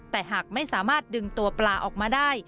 แต่หากไม่สามารถดึงตัวปลาออกมาได้